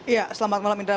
ya selamat malam indra